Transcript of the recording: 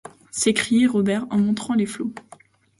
s’écriait Robert en montrant les flots.